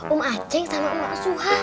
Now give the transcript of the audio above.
um aceh sama um asuha